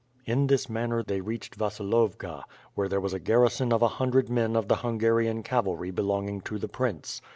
In this manner they reached Vasilovka, where there was a gar rison of a hundred men of the Hungarian cavalry belonging to the prince.